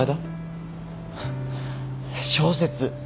小説。